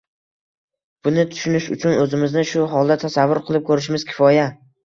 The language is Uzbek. buni tushunish uchun o‘zimizni shu holda tasavvur qilib ko‘rishimiz kifoya